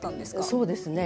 そうですね